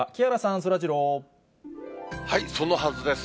そのはずです。